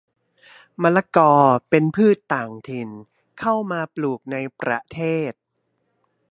มะละกอ เป็นพืชต่างถิ่น เข้ามาปลูกในประเทศ